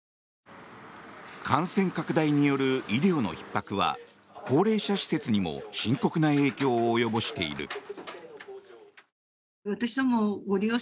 感染拡大による医療のひっ迫は高齢者施設にも深刻な影響を及ぼしている。